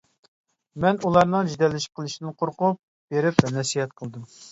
مەن ئۇلارنىڭ جېدەللىشىپ قېلىشىدىن قورقۇپ، بېرىپ نەسىھەت قىلدىم.